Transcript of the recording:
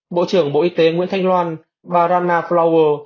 bộ trưởng bộ y tế nguyễn thanh loan và rana flower